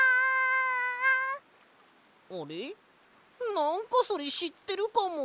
なんかそれしってるかも！